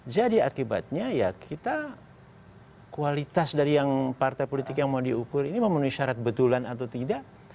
jadi akibatnya ya kita kualitas dari yang partai politik yang mau diukur ini memenuhi syarat betulan atau tidak